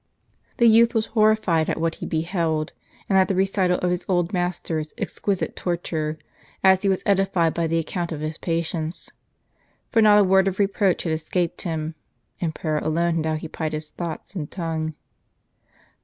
The youth was horrified at what he beheld, and at the recital of his old master's exquisite torture, as he was edified by the account of his patience. For not a word of reproach had escaped him, and prayer alone had occupied his thoughts and tongue.